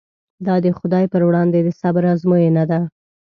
دا د خدای پر وړاندې د صبر ازموینه ده.